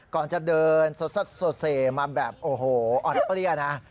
ก่อนจะเดินสดเสมาแบบโอ้โหอ่อนเปรี้ยนะ